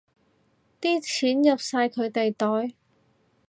啲錢入晒佢哋袋